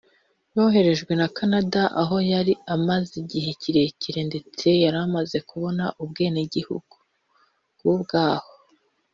yoherejwe na Canada aho yari amaze igihe kirekire ndetse yaranamaze kubona ubwenegihugu bwaho